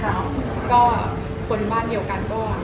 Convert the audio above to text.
และโฆ่นงานที่เรียกกันก็